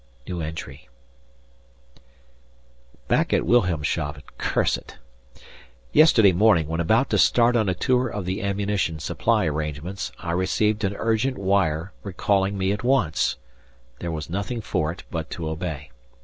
Back at Wilhelmshaven curse it! Yesterday morning, when about to start on a tour of the ammunition supply arrangements, I received an urgent wire recalling me at once! There was nothing for it but to obey.